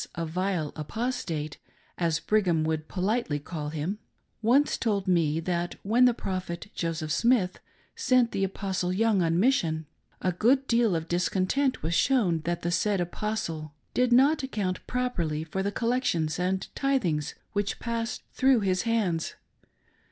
a " vjle apostate " as Brigham would politely call him, — once told me that when the Prophet Joseph Smith sent the Apostle Young on Mission, a good deal of discontent was shown that the said Apostle did not account properly for the collections and tithings which passed through his hands.